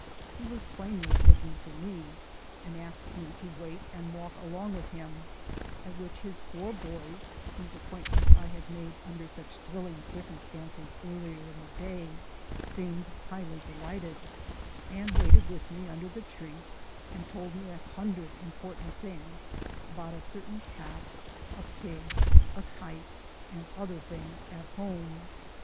He was plainly looking for me, and asked me to wait and walk along with him, at which his four boys, whose acquaintance I had made under such thrilling circumstances earlier in the day, seemed highly delighted, and waited with me under the tree and told me a hundred important things about a certain calf, a pig, a kite, and other things at home.